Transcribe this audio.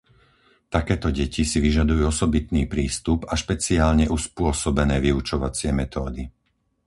Takéto deti si vyžadujú osobitný prístup a špeciálne uspôsobené vyučovacie metódy.